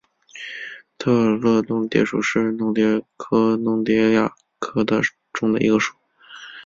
特乐弄蝶属是弄蝶科弄蝶亚科中的一个属。